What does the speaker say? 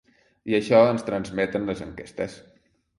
I això transmeten les enquestes.